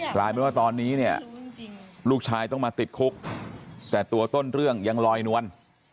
กลายเป็นว่าตอนนี้เนี่ยลูกชายต้องมาติดคุกแต่ตัวต้นเรื่องยังลอยนวล